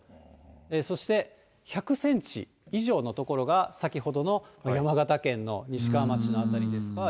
そして１００センチ以上の所が先ほどの山形県の西川町の辺りです